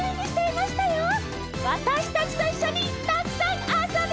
わたしたちといっしょにたくさんあそびましょうね！